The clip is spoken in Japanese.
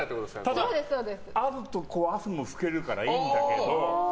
ただ、あると汗も拭けるからいいんだけど。